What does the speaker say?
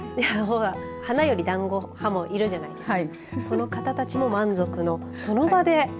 花より団子派もいるじゃないですか。